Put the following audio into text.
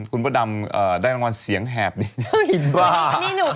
คุณพ่อดำเอ่อได้รางวัลเสียงแหบดีนี่หนูก็เสียงแหบดูเนี่ยตอนเนี้ยเป็นวัดเนี่ย